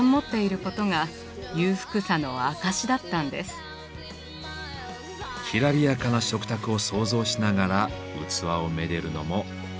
きらびやかな食卓を想像しながら器をめでるのもいいかもしれませんね。